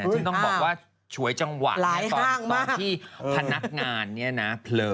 ซึ่งต้องบอกว่าฉวยจังหวังตอนที่พนักงานเผลอ